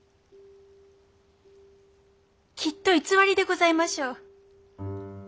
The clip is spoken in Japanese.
きっと偽りでございましょう。